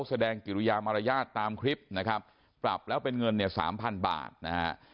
แสดงกิรุยามรยาทตามคลิปนะครับปรับแล้วเป็นเงิน๓๐๐๐บาทนะฮะ